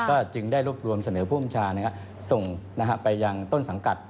ก็จึงได้รวบรวมเสนอผู้อำจารย์นะครับส่งไปอย่างต้นสังกัด